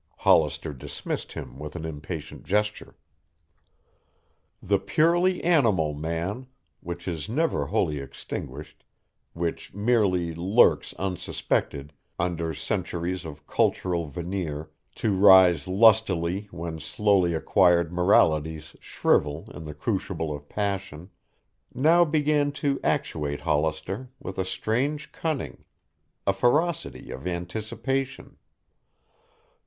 Hollister dismissed him with an impatient gesture. The purely animal man, which is never wholly extinguished, which merely lurks unsuspected under centuries of cultural veneer to rise lustily when slowly acquired moralities shrivel in the crucible of passion, now began to actuate Hollister with a strange cunning, a ferocity of anticipation.